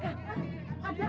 tidak tidak tidak